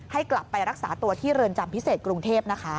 ให้กลับไปรักษาตัวที่เรือนจำพิเศษกรุงเทพนะคะ